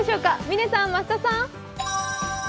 嶺さん、増田さん。